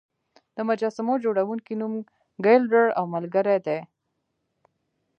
د مجسمو جوړونکي نوم ګیلډر او ملګري دی.